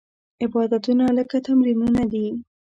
عبادتونه لکه تمرینونه دي.